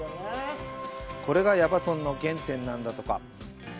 これが矢場とんの原点なんだとか。